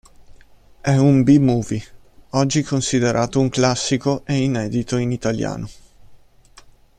È un "B-movie" oggi considerato un classico e inedito in italiano.